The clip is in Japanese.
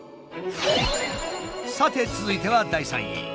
さて続いては第３位。